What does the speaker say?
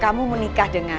kamu menikah dengan reno